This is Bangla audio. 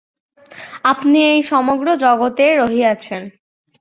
আপনি এই সমগ্র জগতের মধ্যে রহিয়াছেন।